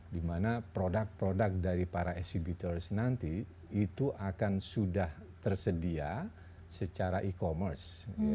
di mana produk produk dari para exhibitors nanti itu akan sudah tersedia secara e commerce